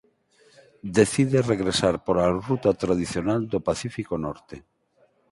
Decide regresar pola ruta tradicional do Pacífico Norte.